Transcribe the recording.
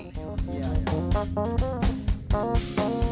kerajaan bandar bambu sepedagi